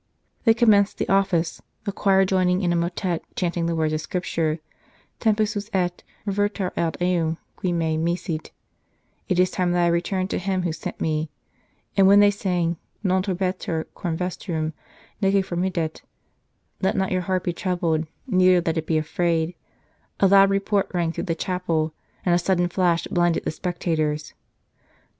They commenced the Office, the choir joining in a motet chanting the words of Scripture: "Tempus est ut revertar ad eum qui me misit " (It is time that I return to Him who sent me) ; and when they sang, " Non 84 The Humble Ones turbetur cor vestrum, neque formidet " (Let not your heart be troubled, neither let it be afraid), a loud report rang through the chapel and a sudden flash blinded the spectators.